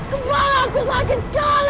kepala aku sakit sekali